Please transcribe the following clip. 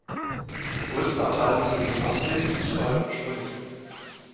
Die größten Abteilungen sind Gymnastik, Fußball und Schwimmen.